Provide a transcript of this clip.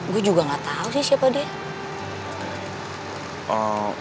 gue juga gak tahu sih siapa dia